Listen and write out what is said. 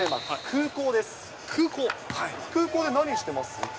空港で何してます？